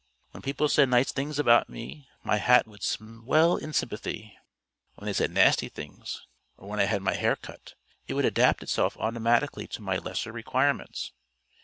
When people said nice things about me my hat would swell in sympathy; when they said nasty things, or when I had had my hair cut, it would adapt itself automatically to my lesser requirements.